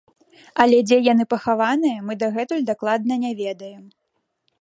Але дзе яны пахаваныя, мы дагэтуль дакладна не ведаем.